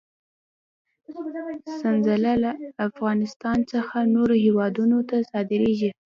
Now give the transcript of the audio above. سنځله له افغانستان څخه نورو هېوادونو ته صادرېږي.